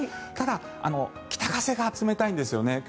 ただ、北風が冷たいんですよね。